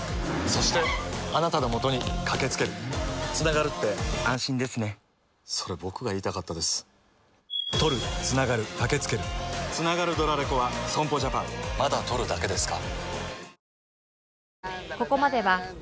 そして、あなたのもとにかけつけるつながるって安心ですねそれ、僕が言いたかったですつながるドラレコは損保ジャパンまだ録るだけですか？